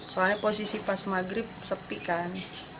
soalnya posisi pas maghrib sepi kan